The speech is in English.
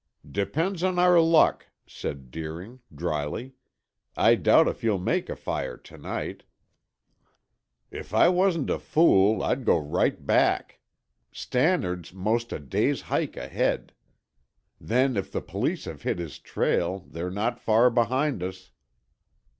"Depends on our luck," said Deering, dryly. "I doubt if you'll make a fire to night." "If I wasn't a fool, I'd go right back. Stannard's most a day's hike ahead. Then if the police have hit his trail, they're not far behind us."